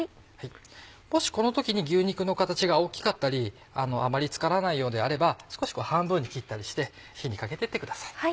もしこの時に牛肉の形が大きかったりあまりつからないようであれば少し半分に切ったりして火にかけてってください。